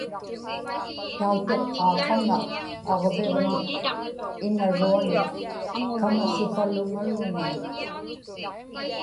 tautuqqaaqama aġviġnik inaruanik kamasupaluŋaruŋa